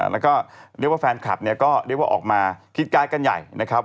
แล้วก็เรียกว่าแฟนคลับเนี่ยก็เรียกว่าออกมาคิดการ์ดกันใหญ่นะครับ